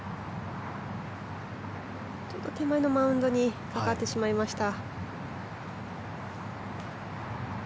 ちょっと手前のマウンドにかかってしまいました。